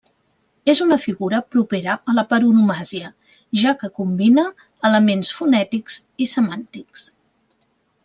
És una figura propera a la paronomàsia, ja que combina elements fonètics i semàntics.